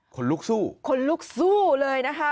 คนลุกสู้คนลุกสู้เลยนะคะ